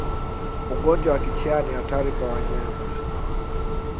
Ugonjwa wa kichaa ni hatari kwa wanyama